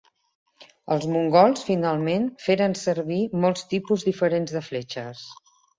Els mongols, finalment, feren servir molts tipus diferents de fletxes.